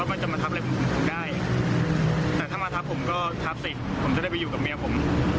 มันจะมาทับอะไรผมได้แต่ถ้ามาทับผมก็ทับสิผมจะได้ไปอยู่กับเมียผม